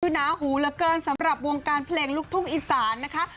อยู่น้าหูระเบิ่ลสำหรับวงการเพลงลูกทุรกิอิสารนะคะ